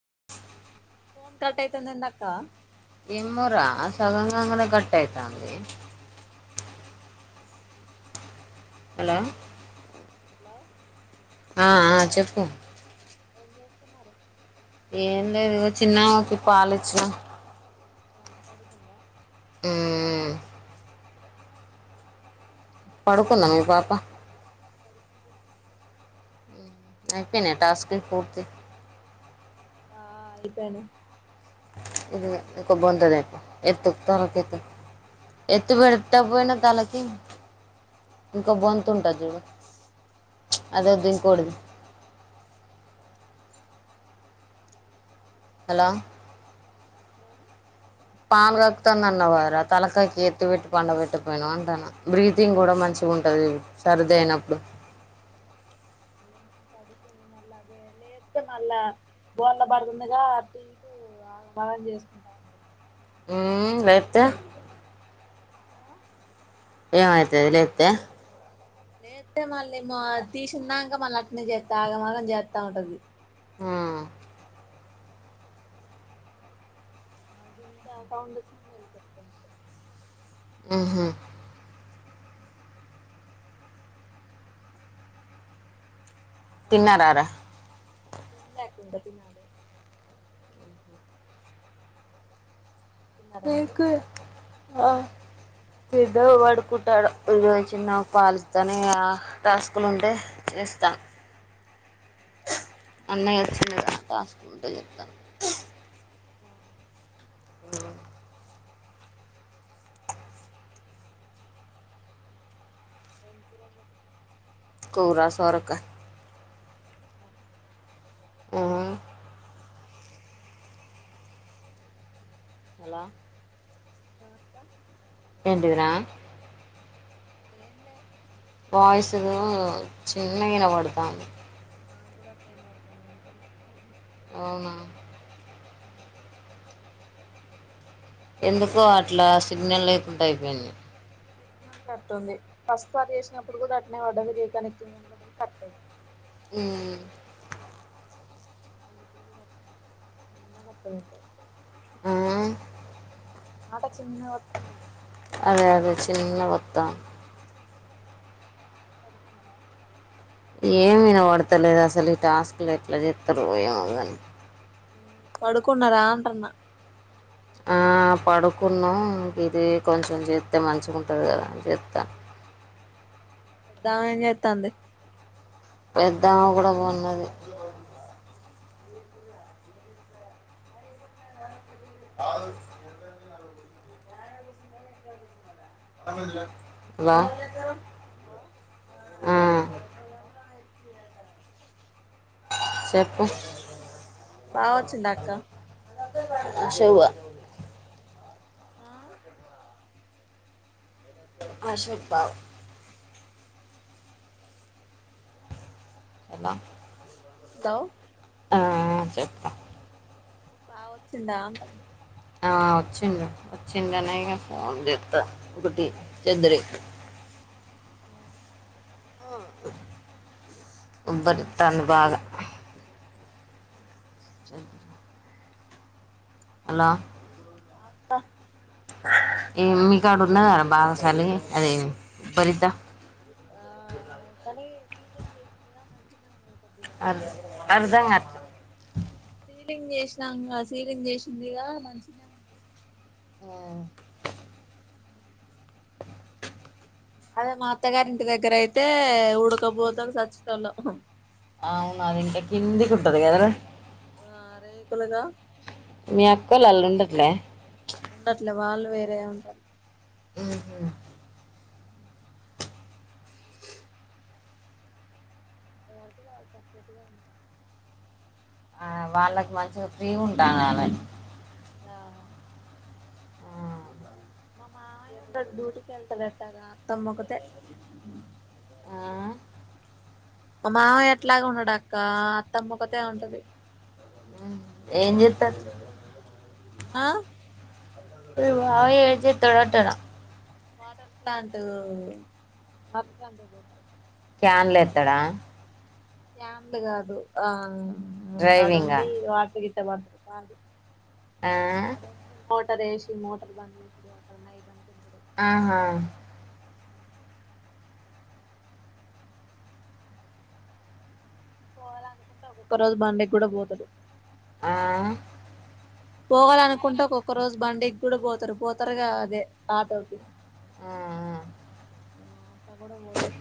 [inaudible] Phone cut అయితాంది ఏందీ అక్క ఏమోరా సగం కాగానే కట్ అయితాంది హలో ఏం చేస్తున్నావ్ హలో ఆ ఆ చెప్పు ఏం చేస్తున్నావ్ ఏం లేదు ఇదిగో చిన్నకి పాలిచ్చిన ఆ పడుకుందా టే [inaudible] ఉమ్ పడుకుందా మీ పాప పడుకుంది అయిపోయినాయ టాస్క్లు పూర్తి ఆ అయిపోనాయి ఎత్తుకొ బొంద్దలే ఎత్తుకు [inaudible] ఎత్తు పెట్టక పోయినా తలకి ఇంకో బొంతు ఉంటది చూడు అదే దీంట్లోది హలో పాలు కక్కుతాంది అన్నవు కదరా, తలకాయికి ఎత్తి పెట్టి పండపెట్టక పోయినావ అంటన్న, బ్రీతింగ్ కూడా మంచి ఉ ఉంటది సరిది అయినప్పుడు పడుకుంది మళ్ళా అదే, లెప్తే మళ్ళా బోర్ల పడుతుంది గా అటు ఇటూ. అగ మాగాం చేసుకుంటా ఉంటది. ఊ లెప్తే లో ఏమైతది లిప్తే? లేతే మళ్ళీమో తీసినాక మళ్ళ అట్నీ చెత్తా ఆగమాగం చెత్తా ఉంటది. ఆ ఆ గింత సౌండ్ వచ్చిన మెలుకుతదంతే ఉహు పనుకున్నాడు తిన్నారారా అక్క. తిన్లా అక్క ఇంక తినాలి. తిన్నారా మీరు మీకు ఆ పేద్దోడు పడుకుంటాడు. ఇగో చిన్న పాలిస్తనే అ టాస్క్లు ఉంటే ఇస్తా అన్నయ్య వచ్చిండు గా టాస్క్లు ఉంటే చే ఆ ఉ ఎం కూర మీద్ కూర సొరకాయ అ ఊ హలో తాత ఏంటిదిరా ఏం లే వాయిసు చిన్నగ ఇనపడతాంది. నా కూడా అట్లే వినపుడతాంది నికనే అవునా ఎందుకో అట్లా సిగ్నల్ లేకుండ అయిపోయింది. సిగ్నల్ కట్ ఉంది. ఫస్ట్ సారి చేసినప్పుడు కూడా అట్నే పడ్డది, రీ కనెక్టింగ్ అని పడ్డది కట్ అయి ఉమ్ మళ్ళీ ఇప్పుడు కూడా అట్నీ చిన్నగ అర్ధమైతది ఆ మాట చిన్నగ వత్తుంది. అదే అదే చిన్నగా వత్త పడుకున్నరా? ఏమ వినబడతలేదు అసలు, ఈ టాస్క్లు ఎట్లా చెతారో ఏమో గాని. ఉ పడుకున్నరా అంటున్న ఆ ఆ పడుకున్నా, ఇది కొంచెం చేస్తే మంచిగా ఉంటది కదా అని చేత్త. తానేం చేతాంది? పెద్ద ఆమె కూడా కొన్నది [inaudible] వా వచ్చిండ బావ వచ్చిండ? చెప్పు బావ వచ్చిండా అక్క? శివ్వా ఆఁ అశోక్ బావ ఎలా హలో మ్మ్ మ్మ్ చెప్పు బావ వచ్చిండా అంటున ఆ వచ్చిండు వచ్చిండు అనే ఇగ ఫోన్ చేత్త గుడ్డి చెద్దురి మ్ మ్ ఉబ్బరితాంది బాగా. చెద్దురి హలో అక్క మీ కాడ ఉన్నదారా బాగా సలి అదే ఉబ్బరీత? [inaudible] ఆ కానీ సీలింగ్ చేసిండ్రు గా మంచిగానే ఉంది అర్ అర్థం కావట్లే సీలింగ్ చేసినాంగ సీలింగ్ చేసిందిగా మంచిగ్నే వుంది అదే మా అత్తగారి ఇంటి దగ్గర అయితే ఉడకపోతది సచ్చేటోలం. అవును అది ఇంకా కిందికి ఉటంది కదరా! ఆ రేకులుగా. మీ అత్తోళ్ళు అంళ్ళ ఉండట్లే ఉండట్లే వాళ్ళు వేరే ఉంటాళు హ్మ్ హు ఎవరికి వారు సపరేట్ గానే ఉంటరు. ఆ వాళ్ళకి మంచిగా ఫ్రీ ఉండాలే ఆ మా మామయ్య ఉండడు డ్యూటీ కి ఎళ్తడు. ఎట్టగా అత్తమ్మొకతే ఆఁ మా మామయ్య ఎట్లాగు ఉండడు అక్కా అత్తమ్మొకతే ఉంటది. ఏం జేత్తడ్ ఆఁ మీ మావయ్య ఏం జేత్తడు అంటున వాటర్ ప్లాంటూ, వాటర్ ప్లాంటుది ఉంటది క్యాన్లేత్తడా క్యాన్లు గాదు ఆ డ్రైవింగా ఆడుండి వాటర్ గి ట్ట వడ్తడు. కాదు ఆ ఆడుండి మోటర్ వేసి, మోటర్ బంజేసుడు, అక్కడ నైట్ అంత ఉంట ఆఁహా మ్ పోవాలనుకుంటే ఒక్కొక్క రోజు బండికి గూడ పోతడు. ఆఁ పోవాలనుకుంటే ఒక్కొక్క రోజు బండికి గూడ గోతరు. పోతారుగా అదే ఆటోకి. ఆ ఆఁ అట్ల గూడ పోతర్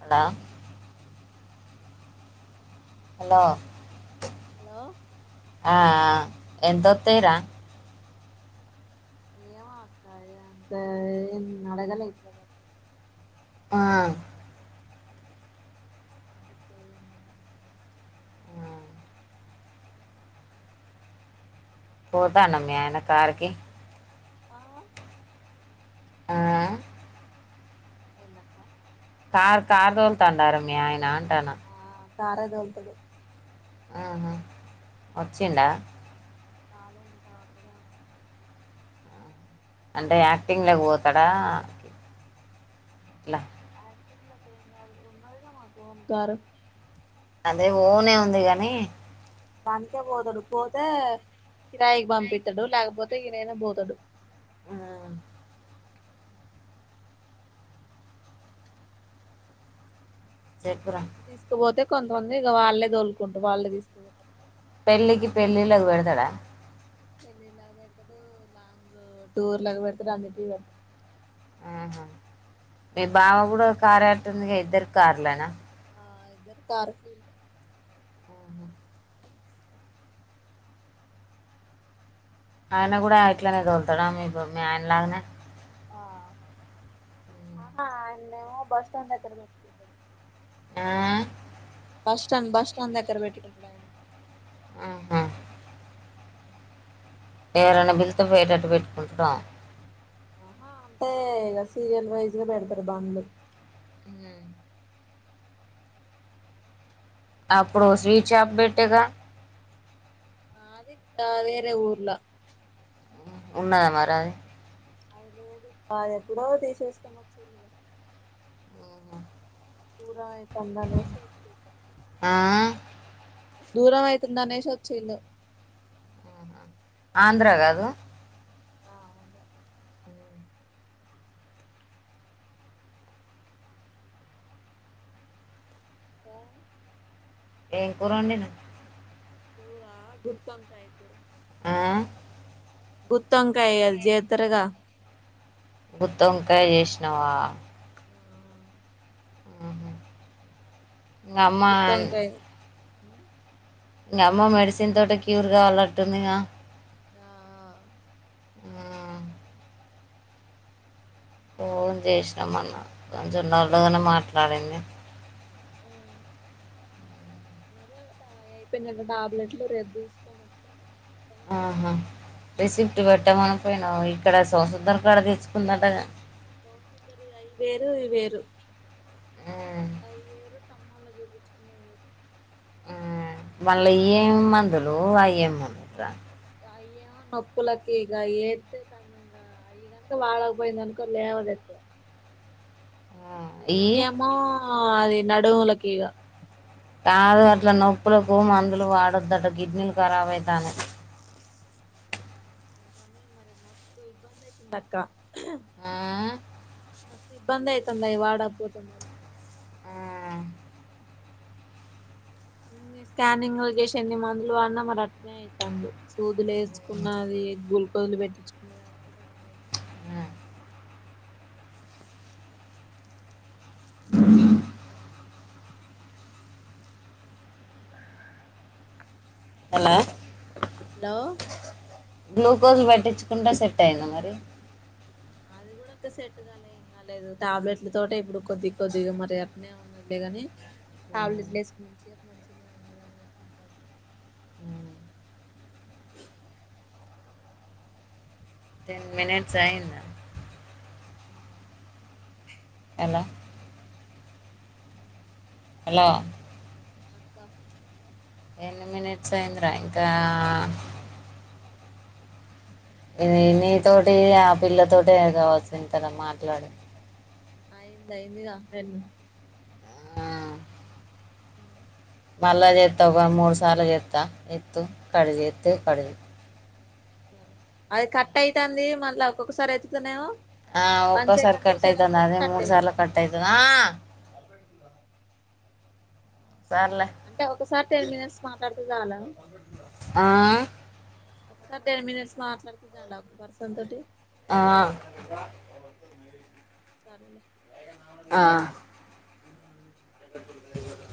హలో హలో హలో ఆఁ ఆ ఎంతోతైరా? ఏమో అక్కా ఇగ అంతా ఏం అడగలే ఇప్పటి వరకు. ఆ అందుకే మోర్ పోతాండా మీ ఆయన కార్ కీ ఆ ఆ ఎందక్క కార్ కార్ దోలు తాండ రా మీ అయన అంటానా కార్ ఎ తొల్తాడు ఆహ వచ్చిండా రాలె ఇంకా అక్కడే ఉన్నాడు అంటే యాక్టింగ్ లకి పోతాడా ఎట్ల నటీన్ల ఎం కాదు ఉన్నాది కా మాకు ఓన్ కారు అదే ఓన్ నే ఉంది గాని దానికే పోతాడు పోతే కిరాయికి పంపితాడు లేకపోతే ఈయనైనా పోతాడు ఆ మ్ చెప్పురా కలిపి తీసుకుపోతే కొంతమంది ఇక వాళ్ళే తోలుకుంటారు వాళ్ళే తీసుకుపోతే పెళ్ళికి పెళ్ళిలకు పేడతడా పెళ్ళలకి పెడతాడు లాంగ్ టూర్ లకి పెడతాడు అన్నిటికి పెడతాడు ఆహా మీ బావ కూడా కార్ ఎట్టింది ఇద్దరకి కార్లే నా ఆ ఇద్దరు కార్ కె ఆహా. ఆయన కూడా ఇట్లనే దొలుతాడా మీ మీ ఆయన లాగానే ఆహా ఆయన్ను బస్ స్టాండ్ దగ్గర పెట్టుకున్నారు ఆ బస్ స్టాండ్ బస్ స్టాండ్ దగ్గర పెట్టుకుంటుడు ఆయన ఆహా ఎరైనా బిలిస్తే పోయటట్టు పెట్టుకుంటడా ఆహా అంటే ఇక సీరియల్ వైజ్ గా పెడతారు బండ్లు మ్ అప్పుడు స్వీట్ షాప్ పెట్టేగా అది అది వేరె ఊర్లా ఉన్నాద మరి అది అది లేదు అది ఎప్పుడో తీసేసుకుని వచ్చిండు గా దూరం అయితంది అనేసి వచ్చిండు ఆ దూరమతుందనేసి వచ్చిలు ఆంధ్ర కాదు ఆ ఆంధ్రా దా ఏం కూర వండినవ్ కూర గుత్తి వంకాయ కూర ఆ గుత్తింకయ అద్ జేతరగా గుత్తోంకయ్ చేసినవ ఆ ఆహా మీ అమ్మాయ్ గుత్తొంకాయ ఇంగ అమ్మ మెడిసిన్ తోటి క్యూర్ కాలుట్టిందిగా ఆ ఆ ఫోన్ చేస్న మొన్న కొంచెం డల్ గానీ మాట్లాడింది ఆ అదే అయిపోయిందంట టాబ్లెట్లు రేపు తీసుకోని ఆహా రిసీపి పెట్టామని పోయినావు ఇక్కడ సోసందర కాడ తెచ్చుకుందట రి అయి వేరు ఈ వేరు మ్మ్ [unintelligible] మ్ మళ్ళా ఈ మందులు అయ్యాం మందు అయ్యేమో నొప్పులకి ఇక ఏతే కన్న ఇ అయ కనుక వాడకపోయిందనుకో లేవ లే ఎక్కు ఇయ్యి వెయ్యమా అది నడువుల కీగా కాదు అట్ల నొప్పులకు మందులు వాడొద్దట కిడ్నీలు ఖరాబ అయితాను తుందక్క మ ఇబ్బంది అవుతుంద వాడకపోతే మరి ఉమ్ స్కానింగ్ చేసి ఎన్ని మందులు పడిన మరి అట్నే అవుతుంది సూదులు వేసుకున్నది గూల్ కోజలు పెట్టించుకుంది అలా హలో గ్లూకోజ్ పట్టించుకుంటే సెట్ అయింది మరి అది కూడా సెట్గా లే లేదు టాబ్లెట్ల తోటే ఇప్పుడు కొద్దిగా కొద్దిగా మరి ఎక్కడ ఉండ లే ని టాబ్లెట్లు వేసుకు మంచిగా ఉన్నదని పంపండి టెన్మింట్యూస్ అయ్యిందా అంటాంది ఎలా [inaudible] హలో అక్క ఎన్ని మినిట్స్ అయ్యిందిరా ఇంకా ఇది నీతోటి ఆ పిల్లతోటి ఏదో కావాల్సినంత మాట్లాడు అయింద అయింది కా అటేళ్లు ఆ, హ మళ్ళ చేతవు కదా మూడు సార్ల చేస్తా ఎత్తు కట్ చేస్తే కట్ చెయి సరే అది కట్ అవుతుంది మళ్ళ ఒక్కొక్కసారి ఎత్తుతునేమో ఆ ఒక్కోసారి కట్టయితంద అదే కట్ అయితుంది మూడుసార్లు కట్ అయితది ఆ సర్లే అంటే ఒకసారి టెన్ మినట్స్ మాట్లాడుతే చాలా ఆ ఆ ఒకసారి టెన్ మినిట్స్ మాట్లాడితే చాలా ఒక పర్సన్ తోటి ఆ చల్ ఆ అర్ధ కలేదు